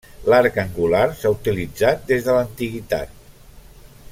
L'arc angular s'ha utilitzat des de l'antiguitat.